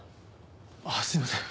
ああすいません。